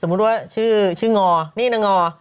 มุติว่าชื่องอนี่นางงอ